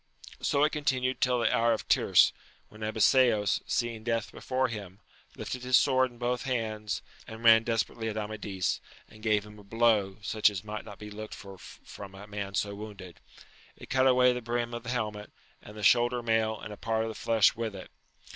So it continued till the hour of tierce, when Abiseos, seeing death before him, lifted his sword in both hands, and ran desperately at Amadis, and gave him a blow, such as might not be looked for from a man so wounded : it cut away the brim of the helmet, and the shoulder mail and a part of the flesh with it.